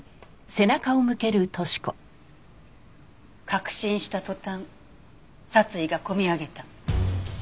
確信した途端殺意がこみ上げた。